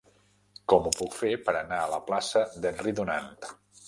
Com ho puc fer per anar a la plaça d'Henry Dunant?